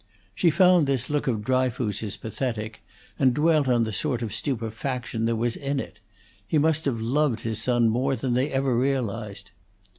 She found this look of Dryfoos's pathetic, and dwelt on the sort of stupefaction there was in it; he must have loved his son more than they ever realized.